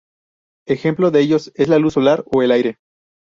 Ejemplo de ellos es la luz solar o el aire.